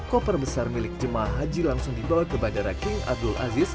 koper besar milik jemaah haji langsung dibawa ke bandara king abdul aziz